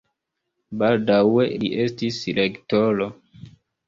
Baldaŭe li estis rektoro.